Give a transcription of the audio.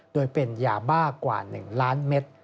โดยเป็นยามากกว่าหนึ่งล้านเมตร